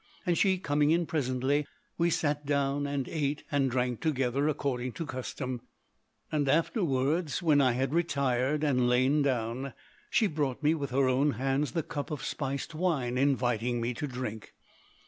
And she coming in presently, we sat down and ate and drank together according to custom; and afterwards, when I had retired and lain down, she brought me with her own hands the cup of spiced wine, inviting me to drink.